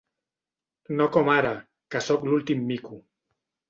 No com ara, que sóc l'últim mico.